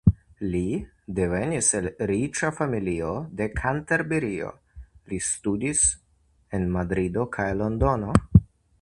Li devenis el riĉa familio de Kantabrio; li studis en Madrido kaj Londono.